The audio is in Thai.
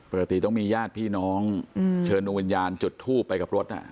ปกติต้องมีญาติพี่น้องเชิญดวงวิญญาณจุดทูบไปกับรถ